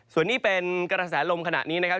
ส่วนนี้เป็นกระแสลมขณะนี้นะครับ